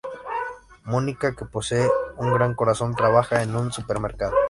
Monika, que posee un gran corazón, trabaja en un supermercado.